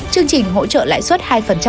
chương trình hỗ trợ lại suất hai